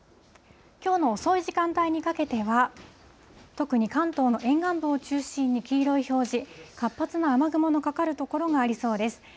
きょうの遅い時間帯にかけては、特に関東の沿岸部を中心に黄色い表示、活発な雨雲のかかる所がありそうです。